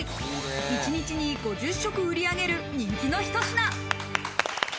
一日に５０食売り上げる人気のひと品。